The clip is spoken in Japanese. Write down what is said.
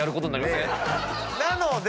なので。